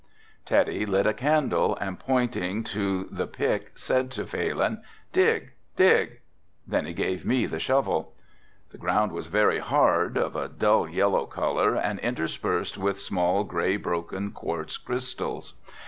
Teddy lit a candle and pointing to the pick said to Phalin, "dig, dig," then he gave me the shovel. The ground was very hard, of a dull yellow color and interspersed with small grey, broken quartz crystals.